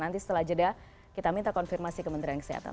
nanti setelah jeda kita minta konfirmasi kementerian kesehatan